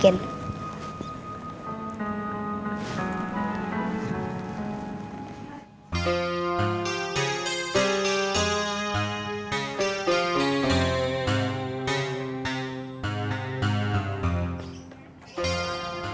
sini deh aku bisikin